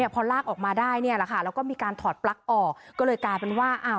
พอลากออกมาได้แล้วก็มีการถอดปลั๊กออกก็เลยกลายเป็นว่า